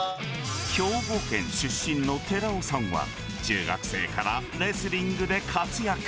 兵庫県出身の寺尾さんは、中学生からレスリングで活躍。